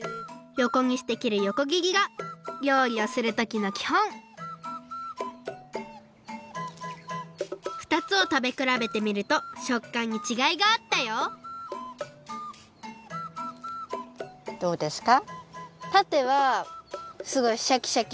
よこにして切るよこ切りが料理をするときのきほんふたつをたべくらべてみるとしょっかんにちがいがあったよどうですか？